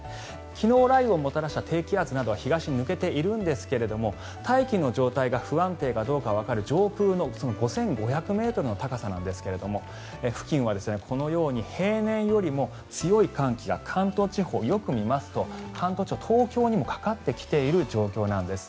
昨日、雷雨をもたらした低気圧などは東に抜けているんですが大気の状態が不安定かどうかがわかる上空の５５００ｍの高さなんですが付近はこのように平年よりも強い寒気が関東地方、よく見ますと東京にもかかってきている状況なんです。